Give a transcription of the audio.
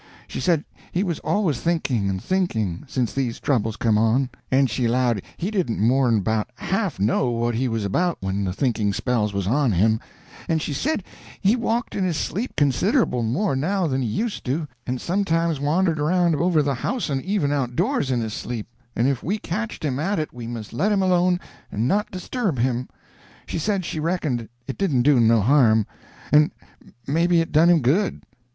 She said he was always thinking and thinking, since these troubles come on, and she allowed he didn't more'n about half know what he was about when the thinking spells was on him; and she said he walked in his sleep considerable more now than he used to, and sometimes wandered around over the house and even outdoors in his sleep, and if we catched him at it we must let him alone and not disturb him. She said she reckoned it didn't do him no harm, and may be it done him good.